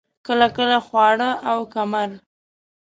کله لکه خوړ او کمر.